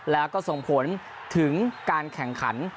แล้วก็ส่งผลถึงการแข่งขัน